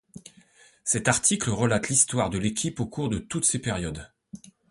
Cet article relate l'histoire de l'équipe au cours de toutes ces périodes.